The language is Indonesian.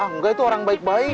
enggak itu orang baik baik